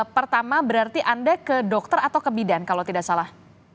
pertama berarti anda ke dokter atau ke bidan kalau tidak salah